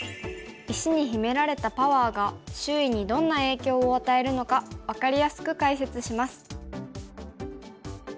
石に秘められたパワーが周囲にどんな影響を与えるのか分かりやすく解説します。